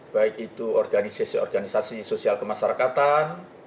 baik itu organisasi organisasi sosial kemasyarakatan